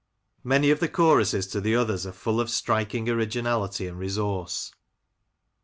Many' of the choruses to the others are full of striking originality and resource.